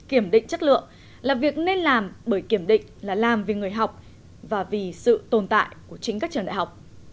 kiểm định chất lượng là việc nên làm bởi kiểm định là làm vì người học và vì sự tồn tại của chính các trường đại học